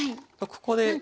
ここで。